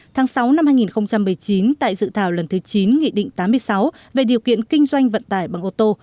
tháng sáu năm hai nghìn một mươi chín tại dự thảo lần thứ chín nghị định tám mươi sáu về điều kiện kinh doanh vận tải bằng ô tô